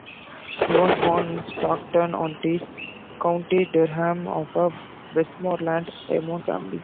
He was born in Stockton-on-Tees, County Durham, of a Westmorland yeoman family.